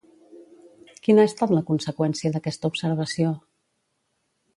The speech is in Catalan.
Quina ha estat la conseqüència d'aquesta observació?